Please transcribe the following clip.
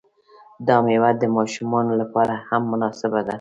دا میوه د ماشومانو لپاره هم مناسبه ده.